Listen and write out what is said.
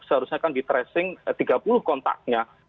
seharusnya kan di tracing tiga puluh kontaknya